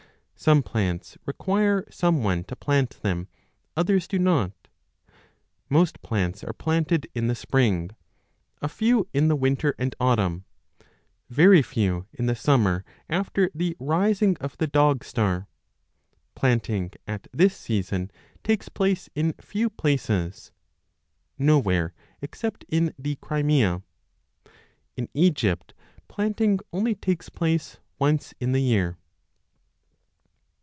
Some plants require some one to plant them, others do not. Most plants are planted in the spring, a few in the winter and autumn, very few in the summer after 5 the rising of the dogstar ; planting at this season takes place in few places nowhere except in the Crimea. 3 In Egypt planting only takes place once in the year.